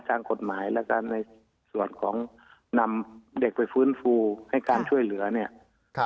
ทางกฎหมายแล้วก็ในส่วนของนำเด็กไปฟื้นฟูให้การช่วยเหลือเนี่ย